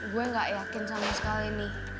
gue gak yakin sama sekali nih